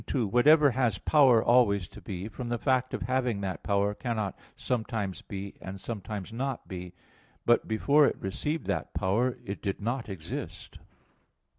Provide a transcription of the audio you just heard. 2: Whatever has power always to be, from the fact of having that power, cannot sometimes be and sometimes not be; but before it received that power, it did not exist.